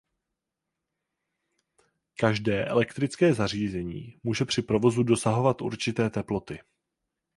Každé elektrické zařízení může při provozu dosahovat určité teploty.